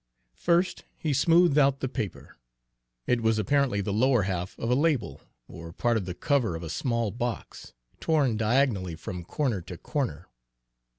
First he smoothed out the paper. It was apparently the lower half of a label, or part of the cover of a small box, torn diagonally from corner to corner.